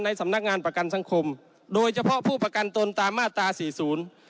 สำนักงานประกันสังคมโดยเฉพาะผู้ประกันตนตามมาตราสี่ศูนย์